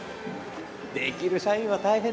できる社員は大変だね。